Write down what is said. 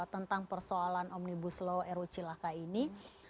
tentang persoalan omnibus law ru cilaka ini